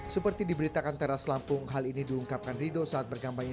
seperti diberitakan teras lampung hal ini diungkapkan rido saat berkampanye